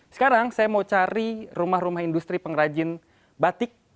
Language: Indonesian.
sekarang saya mau cari rumah rumah industri pengrajin batik